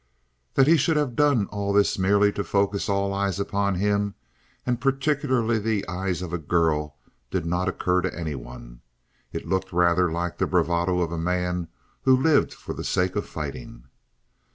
That he should have done all this merely to focus all eyes upon him, and particularly the eyes of a girl, did not occur to anyone. It looked rather like the bravado of a man who lived for the sake of fighting.